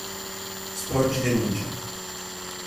Sporgi denuncia